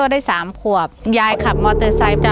จำแรงแยกทาง